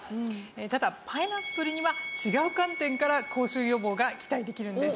ただパイナップルには違う観点から口臭予防が期待できるんです。